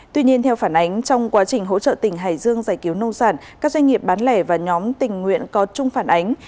tuy nhiên theo phản ánh trong quá trình hỗ trợ tỉnh hải dương giải cứu nông sản các doanh nghiệp bán lẻ và nhóm tình nguyện có chung phản ánh